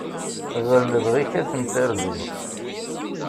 Ɣer lebɣi-k ad ten-tarzeḍ.